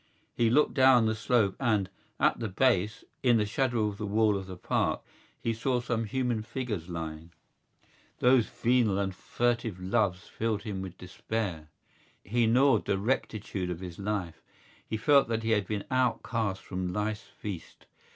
He looked down the slope and, at the base, in the shadow of the wall of the Park, he saw some human figures lying. Those venal and furtive loves filled him with despair. He gnawed the rectitude of his life; he felt that he had been outcast from life's feast.